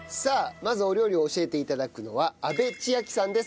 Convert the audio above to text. まずお料理を教えて頂くのは阿部千晶さんです。